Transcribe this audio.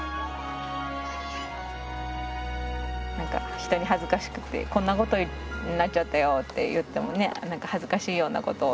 何か人に恥ずかしくてこんなことになっちゃったよって言ってもね何か恥ずかしいようなことをね